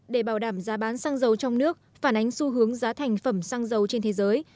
để bảo đảm giá bán xăng dầu trong nước phản ánh xu hướng giá thành phẩm xăng dầu trên thế giới